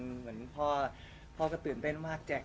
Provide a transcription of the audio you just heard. เหมือนพ่อก็ตื่นเต้นมากออกแฮกเลย